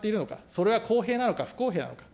それは公平なのか、不公平なのか。